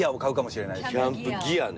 キャンプギアね。